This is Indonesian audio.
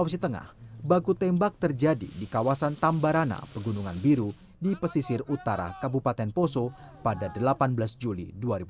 sulawesi tengah baku tembak terjadi di kawasan tambarana pegunungan biru di pesisir utara kabupaten poso pada delapan belas juli dua ribu dua puluh